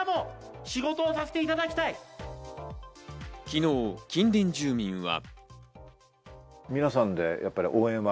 昨日、近隣住民は。